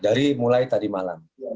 dari mulai tadi malam